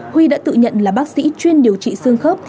huy đã tự nhận là bác sĩ chuyên điều trị xương khớp